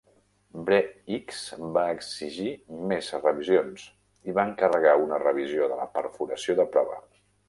Bre-X va exigir més revisions i va encarregar una revisió de la perforació de prova.